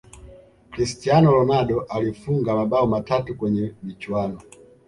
cristiano ronaldo alifunga mabao matatu kwenye michuano